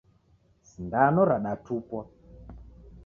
Sindano radatupwa